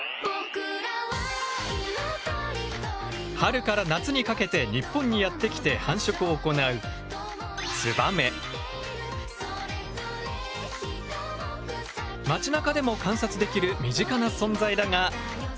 春から夏にかけて日本にやって来て繁殖を行う町なかでも観察できる身近な存在だが。